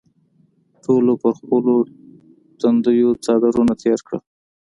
ټولو پر خپلو ټنډو څادرونه تېر کړل.